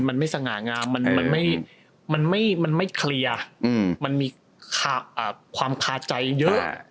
มันไม่สง่างามมันไม่เคลียร์มันมีความคาใจเยอะ